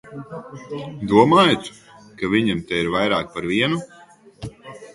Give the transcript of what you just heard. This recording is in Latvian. Domājat, ka viņam te ir vairāk par vienu?